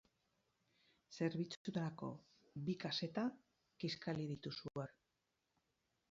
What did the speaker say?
Zerbitzurako bi kaseta kiskali ditu suak.